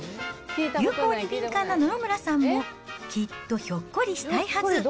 流行に敏感な野々村さんも、きっとひょっこりしたいはず。